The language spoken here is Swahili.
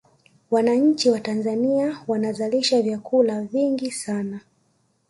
wananchi wa tanzania wanazalisha vyakula vingi sana